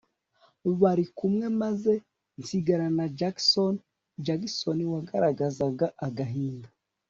bari kumwe maze nsigarana na Jackson Jackson wagaragazaga agahinda